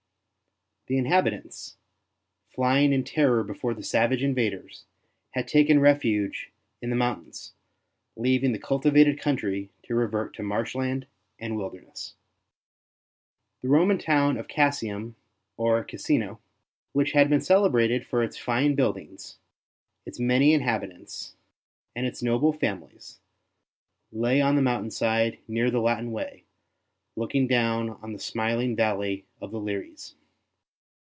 The inhabitants, flying in terror before the savage invaders, had taken refuge in the moun tains, leaving the cultivated country to revert to marshland and wilderness. The Roman town of Cassinum or Cassino, which had been celebrated for its fine build ings, its many inhabitants, and its noble families, lay on the mountain side near 54 ST. BENEDICT the Latin Way, looking down on the smiling valley of the Liris.